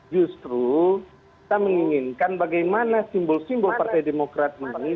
justru kita menginginkan bagaimana simbol simbol partai demokrat membangun